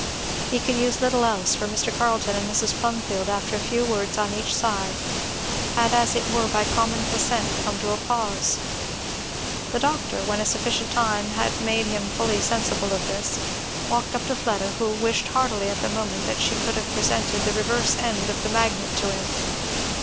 He could use little else, for Mr. Carleton and Mrs. Plumfield after a few words on each side, had as it were by common consent come to a pause. The doctor, when a sufficient time had made him fully sensible of this, walked up to Fleda, who wished heartily at the moment that she could have presented the reverse end of the magnet to him.